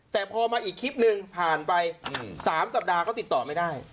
แต่พอมาอีกคลิปหนึ่งผ่านไป๓สัปดาห์ก็ติดต่อไม่ได้